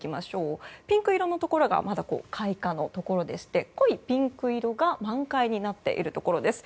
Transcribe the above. ピンク色のところが開花のところでして濃いピンクが満開になっているところです。